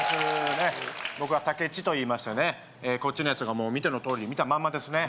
ねっ僕は武智といいましてねこっちのやつがもう見てのとおり見たまんまですね